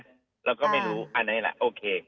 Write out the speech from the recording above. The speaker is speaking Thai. นะแล้วก็ไม่รู้อันไหนแหละโอเค